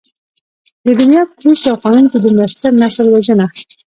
د دنيا په هېڅ يو قانون کې دومره ستر نسل وژنه.